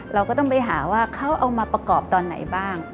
เราก็ต้องไปหาว่าเขาเอามาประกอบตอนไหนบ้าง